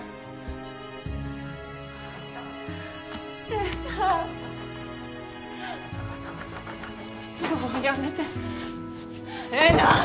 えなもうやめてえな！